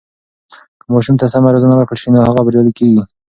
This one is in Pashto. که ماشوم ته سمه روزنه ورکړل سي، نو هغه بریالی کیږي.